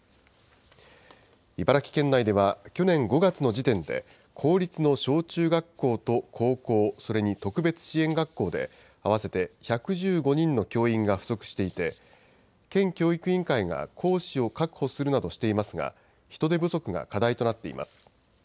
茨城県内では、去年５月の時点で、公立の小中学校と高校、それに特別支援学校で、合わせて１１５人の教員が不足していて、県教育委員会が講師を確保するなどしていますが、人手不足が課題となっています。